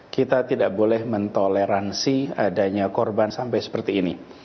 kita tidak boleh mentoleransi adanya korban sampai seperti ini